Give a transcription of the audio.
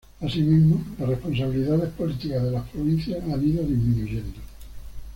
Asimismo, las responsabilidades políticas de las provincias han ido disminuyendo.